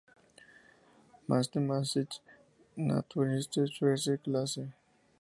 Mathematisch-Naturwissenschaftliche Klasse.